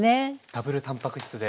ダブルたんぱく質で。